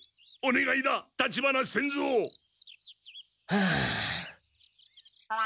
はあ。